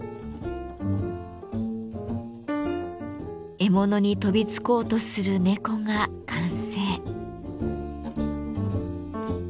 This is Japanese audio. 獲物に飛びつこうとする猫が完成。